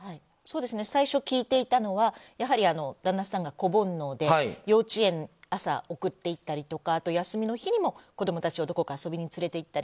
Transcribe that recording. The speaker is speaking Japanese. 最初、聞いていたのは旦那さんが子煩悩で幼稚園、朝送って行ったりとかあと、休みの日にも子供たちをどこか遊びに連れて行ったり。